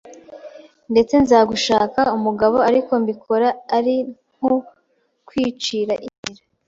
ndetse nza gushaka umugabo ariko mbikora ari nko kwicira inzira